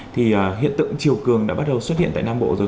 thì hiện tượng chiều cường đã bắt đầu xuất hiện tại nam bộ rồi